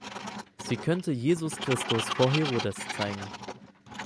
Sie könnte Jesus Christus vor Herodes zeigen.